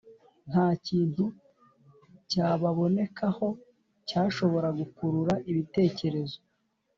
Nta kintu cyababonekagaho cyashobora gukurura ibitekerezo